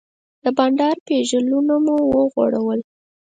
د بانډار پیژلونه مو وغوړول.